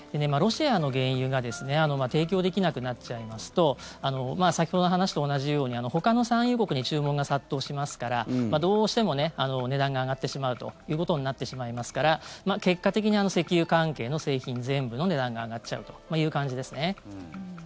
ロシアの原油が提供できなくなっちゃいますと先ほどの話と同じようにほかの産油国に注文が殺到しますからどうしても値段が上がってしまうということになってしまいますから結果的に石油関係の製品全部の値段が上がっちゃうという感じですね。